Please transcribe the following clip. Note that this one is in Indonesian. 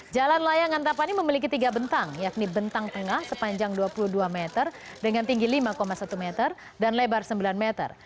jalan layang antapani memiliki tiga bentang yakni bentang tengah sepanjang dua puluh dua meter dengan tinggi lima satu meter dan lebar sembilan meter